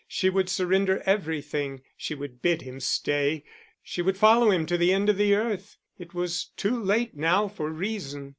She would surrender everything. She would bid him stay; she would follow him to the end of the earth. It was too late now for reason.